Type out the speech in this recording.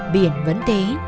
biển vẫn thế